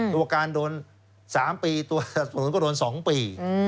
ตัวการโดน๓ปีตัวสับสนุนก็โดน๒ปี